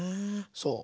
そう。